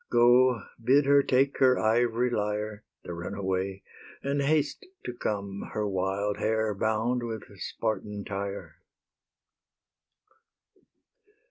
Go, bid her take her ivory lyre, The runaway, and haste to come, Her wild hair bound with Spartan tire.